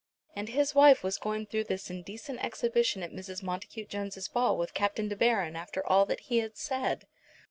And his wife was going through this indecent exhibition at Mrs. Montacute Jones' ball with Captain de Baron after all that he had said!